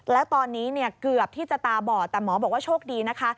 แล้วตอนนี้เนี่ยเกือบที่จะตาบอดแต่หมอบอกว่าโชคดีนะคะ